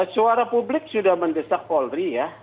suara publik sudah mendesak polri ya